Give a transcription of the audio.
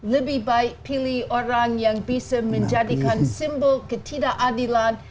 lebih baik pilih orang yang bisa menjadikan simbol ketidakadilan